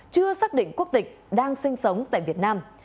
chưa xác định quốc tịch đang sinh sống tại việt nam